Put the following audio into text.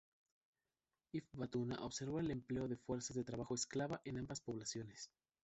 Ibn Battuta observó el empleo de fuerza de trabajo esclava en ambas poblaciones.